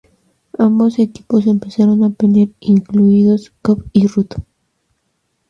Ambos equipos empezaron a pelear incluidos Cobb y Ruth.